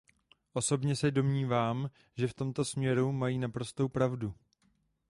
Osobně se domnívám, že v tomto směru mají naprostou pravdu.